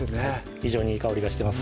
非常にいい香りがしてます